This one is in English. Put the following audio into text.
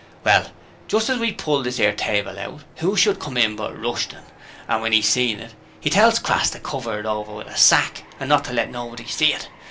Well, just as we pulled this 'ere table out, who should come in but Rushton, and when 'e seen it, 'e tells Crass to cover it over with a sack and not to let nobody see it.